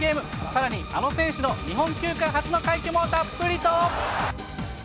さらに、あの選手の日本球界初の快挙もたっぷりと。